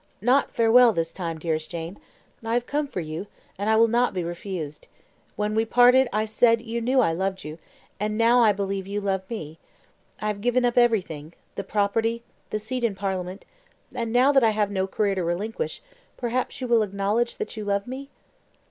"Not farewell this time, dearest Jane. I have come for you, and I will not be refused. When we parted I said you knew I loved you, and now I believe you love me. I have given up everything the property, the seat in Parliament; and now that I have no career to relinquish, perhaps you will acknowledge that you love me?"